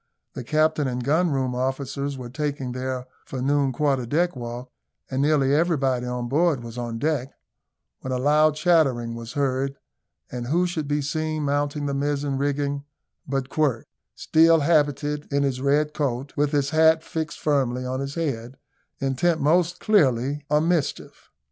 The captain and gun room officers were taking their for noon quarter deck walk, and nearly everybody on board was on deck, when a loud chattering was heard, and who should be seen mounting the mizen rigging but Quirk, still habited in his red coat, with his hat fixed firmly on his head, intent, most clearly, on mischief.